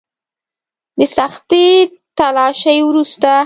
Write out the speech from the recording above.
د سختې تلاشۍ وروسته.